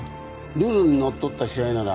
ルールにのっとった試合なら。